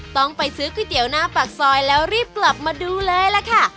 ต้องไปซื้อก๋วยเตี๋ยวหน้าปากซอยแล้วรีบกลับมาดูเลยล่ะค่ะ